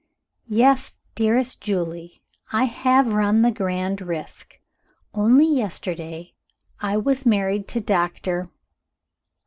"Yes, dearest Julie, I have run the grand risk. Only yesterday, I was married to Doctor